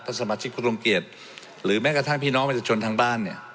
สมาชิกคุณทรงเกียจหรือแม้กระทั่งพี่น้องประชาชนทางบ้านเนี่ย